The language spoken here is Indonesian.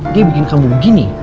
dia bikin kamu begini